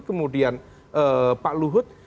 kemudian pak luhut